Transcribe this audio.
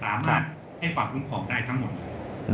สามารถให้ความคุ้มครองได้ทั้งหมด